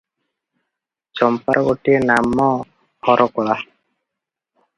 ଚମ୍ପାର ଗୋଟିଏ ନାମ ହରକଳା ।